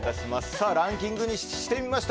さあ、ランキングにしてみました。